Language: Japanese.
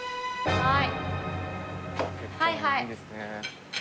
はい。